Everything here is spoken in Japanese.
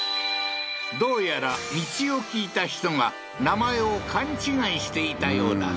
どうやら道を聞いた人が名前を勘違いしていたようだ